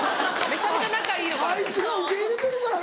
めちゃめちゃ仲いいのかと。